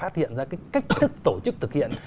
phát hiện ra cái cách thức tổ chức thực hiện